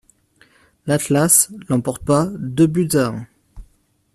L'Atlas l'emporte pas deux buts à un.